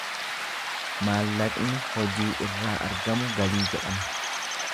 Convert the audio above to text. Maallaqni hojii irraa argamu galii jedhama.